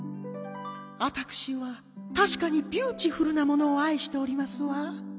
わたくしはたしかにビューティフルなものをあいしておりますわ。